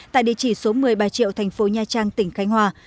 tại địa chỉ số một mươi ba triệu thành phố nha trang tỉnh khánh hòa